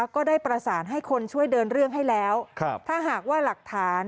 ก็ได้ประสานให้คนช่วยเดินเรื่องให้แล้วถ้าหากว่าหลักฐาน